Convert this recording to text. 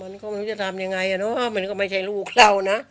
มันก็ไม่รู้จะทำยังไงอ่ะเนอะมันก็ไม่ใช่ลูกเรานะ